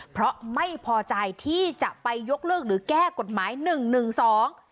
เพราะไม่พอใจที่จะไปยกเลิกหรือแก้กฎหมายหนึ่งหนึ่งสอง